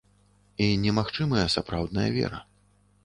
І не магчымая сапраўдная вера.